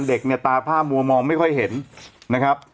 เด็กเนี่ยตาผ้ามัวมองไม่ค่อยเห็นนะครับ